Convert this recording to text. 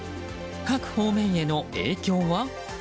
各方面への影響は？